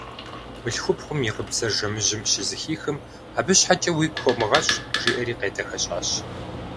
Мылъхупхъум и гъыбзэр жэмыжьым щызэхихым: – Абы щхьэкӀэ уигу хомыгъэщӀ, – жиӀэри къедэхэщӀащ.